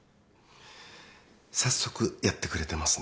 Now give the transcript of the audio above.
早速やってくれてますね。